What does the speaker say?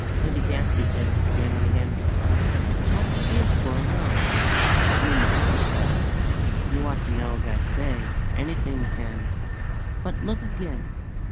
Lady Gadsby said again and again: "What is going on?" but Nina Adams said: "You ought to know that today, anything can " But _look again!!